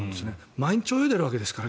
毎日泳いでいるわけですから。